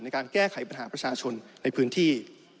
ในการแก้ไขปัญหาประชาชนในพื้นที่